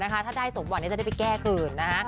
ถ้าได้สมบัติจะได้ไปแก้คืนนะ